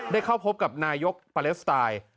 ได้เข้าพบกับนายกปาเลสไตล์